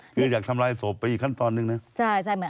คือยากทำลายสบไปอีกขั้นตอนนึงเนี่ย